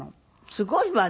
すごいわね。